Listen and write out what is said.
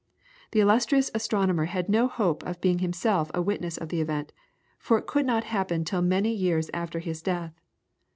The illustrious astronomer had no hope of being himself a witness of the event, for it could not happen till many years after his death.